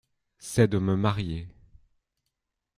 C’est de me marier…